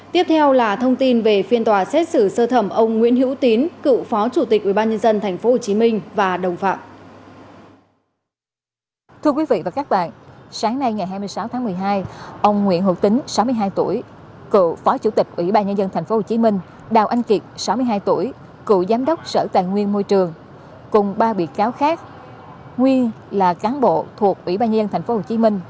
tiếp theo là thông tin về phiên tòa xét xử sơ thẩm ông nguyễn hữu tín cựu phó chủ tịch ubnd tp hcm và đồng phạm